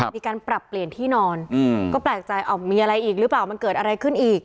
มีการปรับเปลี่ยนที่นอนก็แปลกใจมีอะไรอีกหรือเปล่ามันเกิดอะไรขึ้นอีก